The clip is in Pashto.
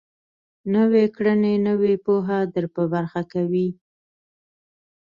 نويې کړنې نوې پوهه در په برخه کوي.